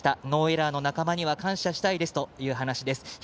ノーエラーの仲間には感謝したいですという話です。